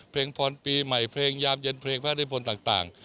เพลงพรปีใหม่เพลงยามเย็นเพลงพระราชนิพลต่าง